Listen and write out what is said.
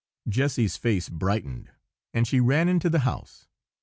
Jessy's face brightened, and she ran into the house.